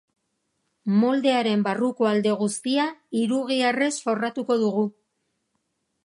Moldearen barruko alde guztia hirugiharrez forratuko dugu.